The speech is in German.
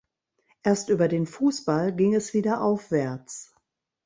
Erst über den Fußball ging es wieder aufwärts.